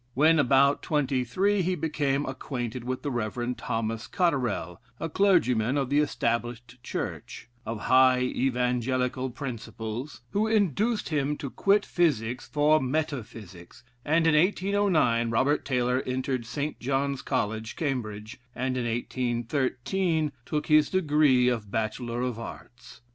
When about twenty three, he became acquainted with the Rev. Thomas Cotterell, a clergyman of the Established Church, of high evangelical principles, who induced him to quit physic for metaphysics, and in 1809 Robert Taylor entered Saint John's College, Cambridge, and in 1813 took his degree of Bachelor of Arts.